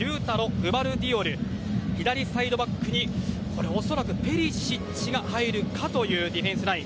グヴァルディオル左サイドバックに恐らくペリシッチが入るかというディフェンスライン。